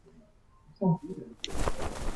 可以通过过桥到达城堡。